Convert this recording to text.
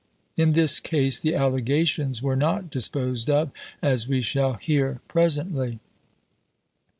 '" In this case the allegations were not disposed of, as we shall hear presently.